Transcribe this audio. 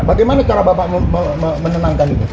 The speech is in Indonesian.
bagaimana cara bapak menenangkan itu